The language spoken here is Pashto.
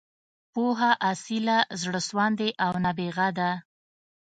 پوهه، اصیله، زړه سواندې او نابغه ده.